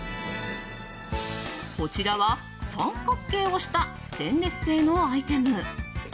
こちらは、三角形をしたステンレス製のアイテム。